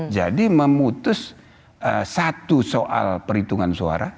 jadi memutus satu soal perhitungan suara